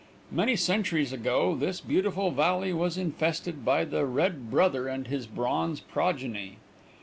Many centuries ago this beautiful valley was infested by the red brother and his bronze progeny.